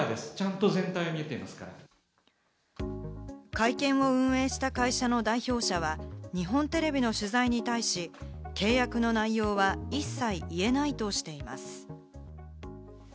会見を運営した会社の代表者は、日本テレビの取材に対し、契約の内容は、一切言えないとしています。